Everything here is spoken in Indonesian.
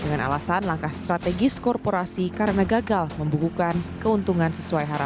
dengan alasan langkah strategis korporasi karena gagal membukukan keuntungan sesuai harapan